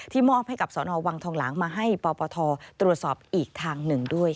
มอบให้กับสนวังทองหลางมาให้ปปทตรวจสอบอีกทางหนึ่งด้วย